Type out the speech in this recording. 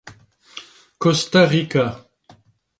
Costa Rica.